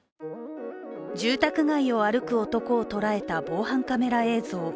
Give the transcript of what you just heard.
住宅街を歩く男を捉えた防犯カメラ映像。